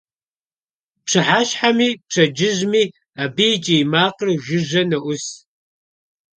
Пщыхьэщхьэми пщэдджыжьми абы и кӀий макъыр жыжьэ ноӀус.